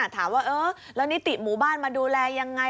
ถามว่าเออแล้วนิติหมู่บ้านมาดูแลยังไง